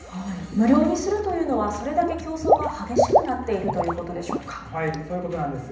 無料にするというのは、それだけ競争が激しくなっているといそういうことなんです。